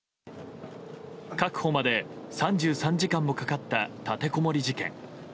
確保まで３３時間もかかった立てこもり事件。